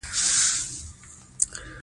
ازادي راډیو د بیکاري کیسې وړاندې کړي.